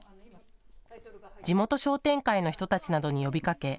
地元商店会の人たちなどに呼びかけ